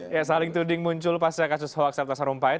ya saling tuding muncul pasca kasus hoaks serta nasarumpayat